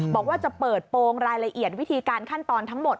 บอกว่าจะเปิดโปรงรายละเอียดวิธีการขั้นตอนทั้งหมด